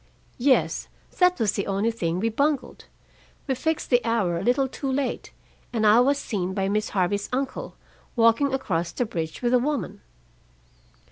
"Yes. That was the only thing we bungled. We fixed the hour a little too late, and I was seen by Miss Harvey's uncle, walking across the bridge with a woman."